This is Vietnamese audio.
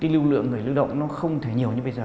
lưu động không thể nhiều như bây giờ